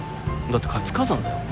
だって活火山だよ。